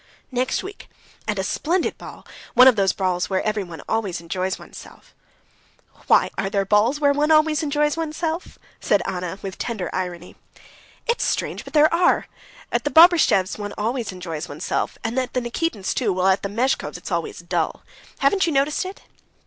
"Next week, and a splendid ball. One of those balls where one always enjoys oneself." "Why, are there balls where one always enjoys oneself?" Anna said, with tender irony. "It's strange, but there are. At the Bobrishtchevs' one always enjoys oneself, and at the Nikitins' too, while at the Mezhkovs' it's always dull. Haven't you noticed it?"